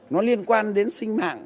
nó liên quan đến sinh mạng